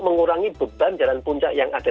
mengurangi beban jalan puncak yang ada